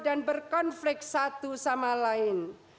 dan berkonflik satu sama lain